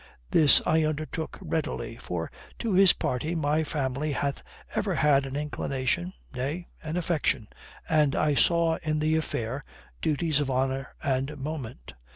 This I undertook readily, for to his party my family hath ever had an inclination, nay, an affection, and I saw in the affair duties of honour and moment."